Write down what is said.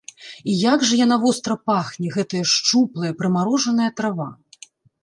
І як жа яна востра пахне, гэтая шчуплая, прымарожаная трава!